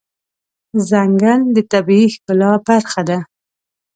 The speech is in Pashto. ځنګل د طبیعي ښکلا برخه ده.